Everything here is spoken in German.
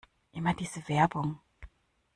Immer diese Werbung!